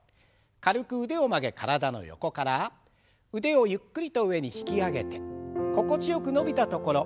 軽く腕を曲げ体の横から腕をゆっくりと上に引き上げて心地よく伸びたところ。